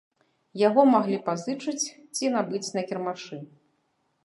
Яго маглі пазычыць ці набыць на кірмашы.